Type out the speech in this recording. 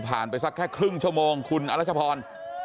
ไปสักแค่ครึ่งชั่วโมงคุณอรัชพร